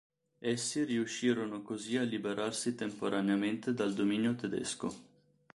Essi riuscirono così a liberarsi temporaneamente dal dominio tedesco.